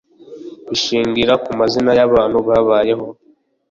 Bishingira ku mazina y’abantu babayeho